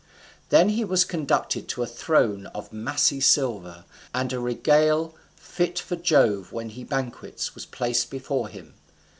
Then he was conducted to a throne of massy silver, and a regale, fit for Jove when he banquets, was placed before him.